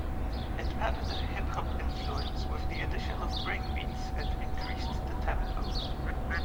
It added a hip-hop influence with the addition of breakbeats and increased the tempo.